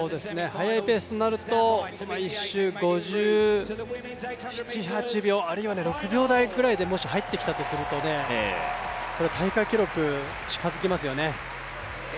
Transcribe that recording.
速いペースになると１周５７５８秒、あるいは６秒台くらいで入ってきたとすると大会記録に近づきますよね。